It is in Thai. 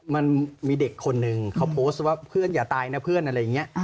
มันมีเด็กคนนึงเขาโพสต์ว่าเพื่อนอย่าตายนะเรากำลังถาม